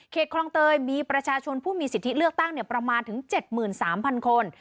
คลองเตยมีประชาชนผู้มีสิทธิเลือกตั้งประมาณถึง๗๓๐๐คน